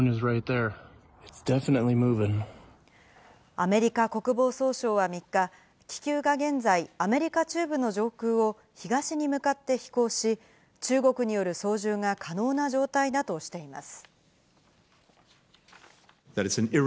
アメリカ国防総省は３日、気球が現在、アメリカ中部の上空を東に向かって飛行し、中国による操縦が可能な状態だとしています。